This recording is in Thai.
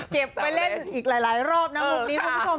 เก็บไปเล่นอีกหลายรอบนะบุคลิปคุณผู้ชม